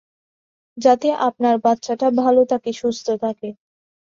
যাতে আপনার বাচ্চাটা ভালো থাকে, সুস্থ থাকে।